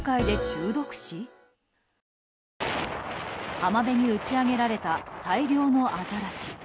浜辺に打ち上げられた大量のアザラシ。